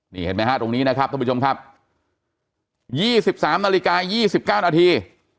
นี่เห็นไหมฮะตรงนี้นะครับท่านผู้ชมครับ๒๓นาฬิกา๒๙นาที